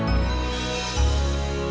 jadi jangan l capac kasihan impacting